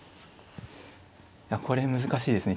これ難しいですね。